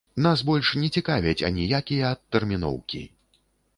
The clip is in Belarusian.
Нас больш не цікавяць аніякія адтэрміноўкі!